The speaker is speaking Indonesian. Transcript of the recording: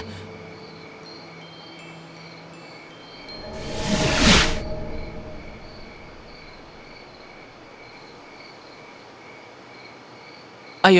ayo blake temanku mari kita lihat bintang bintang